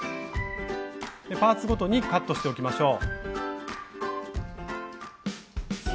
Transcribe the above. パーツごとにカットしておきましょう。